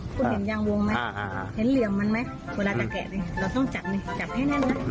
คุณเห็นยางวงไหมเห็นเหลี่ยมมันไหมเวลาจะแกะเลยเราต้องจับเลยจับให้แน่นนะ